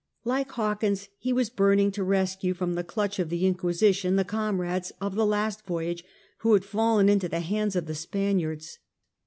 Like Hawkins, he was burning to rescue from the clutch of the Inquisition the comrades of the last voyage who had fallen into the hands of the Spaniards.